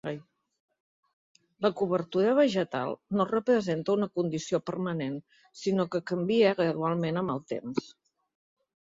La cobertura vegetal no representa una condició permanent sinó que canvia gradualment amb el temps.